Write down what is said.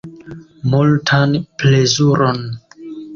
Multan plezuron!